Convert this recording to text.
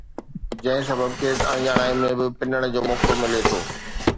جنهن سبب کيس اڻڄاڻائيءَ ۾ به پنڻ جو موقعو ملي ٿو